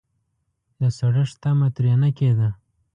د سړښت تمه ترې نه کېده.